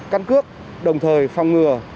căn cước đồng thời phòng ngừa